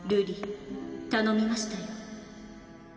瑠璃頼みましたよ。